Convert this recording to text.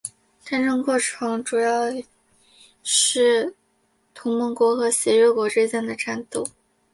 战争过程主要是同盟国和协约国之间的战斗。